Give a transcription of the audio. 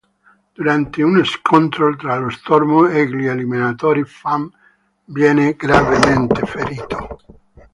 Durante uno scontro tra lo stormo e gli "Eliminatori", Fang viene gravemente ferito.